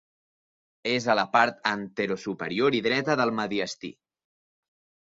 És a la part anterosuperior i dreta del mediastí.